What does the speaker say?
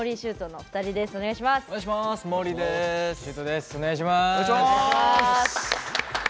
お願いします。